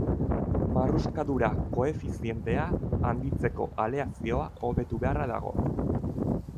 Marruskadura koefizientea handitzeko aleazioa hobetu beharra dago.